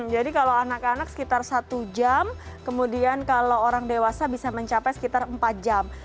jadi kalau anak anak sekitar satu jam kemudian kalau orang dewasa bisa mencapai sekitar empat jam